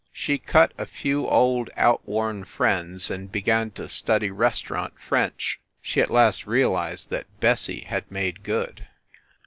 She cut a few old outworn friends and began to study restaurant French. She at last realized that Bessie had made good.